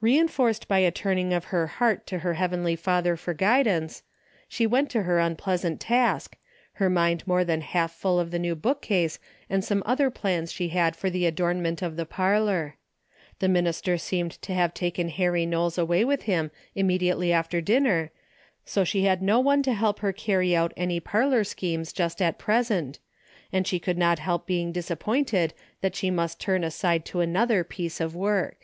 Reinforced by a turning of her heart to her heavenly Father for guidance, she went to her unpleasant task, her mind more than half full of the new bookcase and some other plans she had for the adornment of the parlor. The minister seemed to have taken Harry Knowles away with him immediately after dinner, so she had no one to help her carry out any par lor schemes just at present, and she could not help being disappointed that she must turn aside to another piece of work.